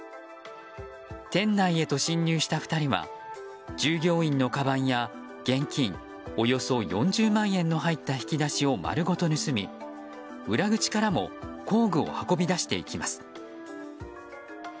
店内へと侵入した２人は従業員のかばんや現金およそ４０万円の入った引き出しを丸ごと盗み裏口からも工具を運び出していきます。